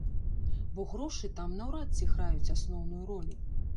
Бо грошы там наўрад ці граюць асноўную ролю.